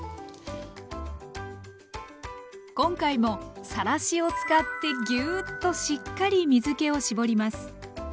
今回もさらしを使ってギューッとしっかり水けを絞ります。